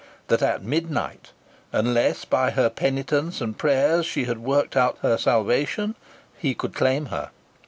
That at midnight, unless by her penitence and prayers she had worked out her salvation, he could claim her.